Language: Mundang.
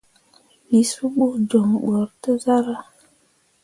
Wǝ suɓu joŋ beere te zarah.